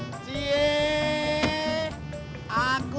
nanti aja dulu